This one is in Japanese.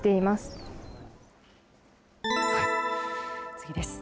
次です。